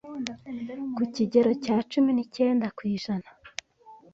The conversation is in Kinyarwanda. ku kigero cya cumi n’icyenda kw’ijana